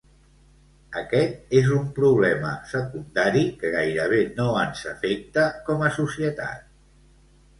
Aquest és un problema secundari que gairebé no ens afecta com a societat.